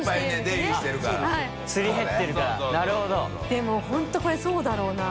でも本当これそうだろうな。